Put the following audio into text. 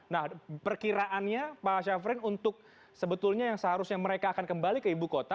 nah perkiraannya pak syafrin untuk sebetulnya yang seharusnya mereka akan kembali ke ibu kota